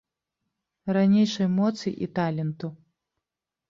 Ранейшай моцы і таленту.